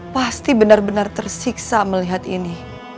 pasti benar benar tersiksa melihat ini